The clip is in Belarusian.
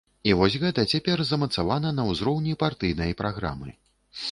І вось гэта цяпер замацавана на ўзроўні партыйнай праграмы.